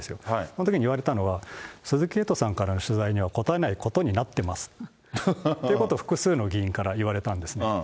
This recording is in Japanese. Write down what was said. そのときに言われたのは、鈴木エイトさんからの取材には答えないことになってますっていうことを複数の議員から言われたんですね。